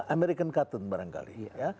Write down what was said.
american cotton barangkali